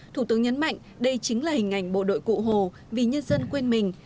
thủ tướng nhấn mạnh đây chính là hình ảnh bộ đội cụ hồ vì nhân dân quên mình